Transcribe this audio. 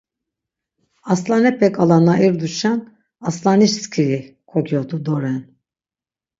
Arslanepeǩala na irduşen'Arslaniş skiri' kogyodu doren.